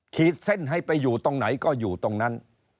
ขีดเส้นให้ไปอยู่ตรงไหนก็อยู่ตรงนั้น